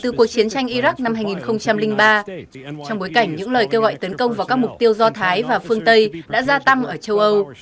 trong cuộc chiến tranh iraq năm hai nghìn ba trong bối cảnh những lời kêu gọi tấn công vào các mục tiêu do thái và phương tây đã gia tăng ở châu âu